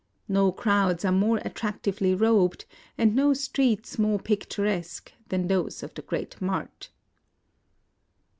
No crowds are more attractively robed, and no streets more picturesque, than those of the great mart.